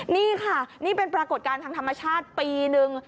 นี่ค่ะนี่เป็นปรากฏการณ์ทางธรรมชาติปีนึง